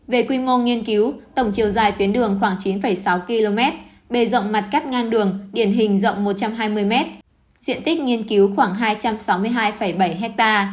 về quy mô nghiên cứu tổng chiều dài tuyến đường khoảng chín sáu km bề rộng mặt cắt ngang đường điển hình rộng một trăm hai mươi m diện tích nghiên cứu khoảng hai trăm sáu mươi hai bảy ha